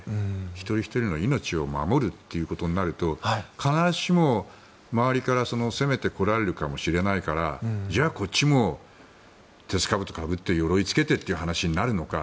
一人ひとりの命を守るということになると必ずしも、周りから攻めてこられるかもしれないからじゃあ、こっちも鉄かぶとをかぶって鎧着けてという話になるのか